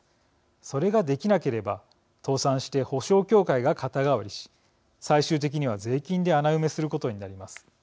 それができなければ倒産して保証協会が肩代わりし最終的には税金で穴埋めすることになります。